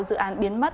dự án biến mất